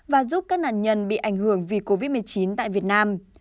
và giúp các nạn nhân bị ảnh hưởng vì covid một mươi chín tại việt nam